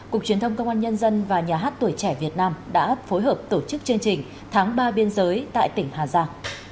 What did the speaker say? cục truyền thông công an nhân dân và nhà hát tuổi trẻ việt nam đã phối hợp tổ chức chương trình tháng ba biên giới tại tỉnh hà giang